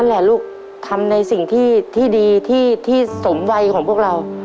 แหละลูกทำในสิ่งที่ดีที่สมวัยของพวกเรา